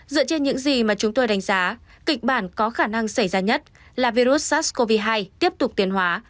dựa trên những gì mà chúng tôi đánh giá kịch bản có khả năng xảy ra nhất là virus sars cov hai tiếp tục tiến hóa